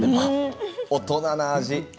大人な味。